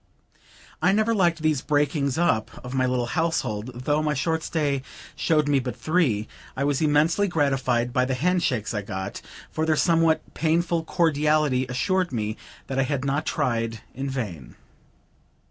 I never liked these breakings up of my little household; though my short stay showed me but three. I was immensely gratified by the hand shakes I got, for their somewhat painful cordiality assured me that I had not tried in vain.